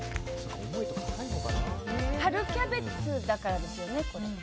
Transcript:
春キャベツだからですよねこれ。